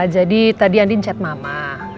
jadi tadi andi chat mama